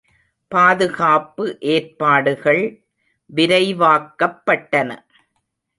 பாதுகாப்பு ஏற்பாடுகள் விரைவாக்கப்பட்டன.